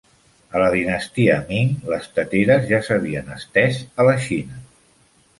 A la dinastia Ming, les teteres ja s'havien estès a la Xina.